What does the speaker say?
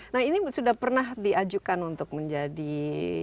nah ini sudah pernah diajukan untuk menjadi